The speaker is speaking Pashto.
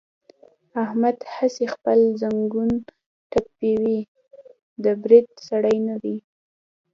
احمد هسې خپل زنګون ټپوي، د برید سړی نه دی.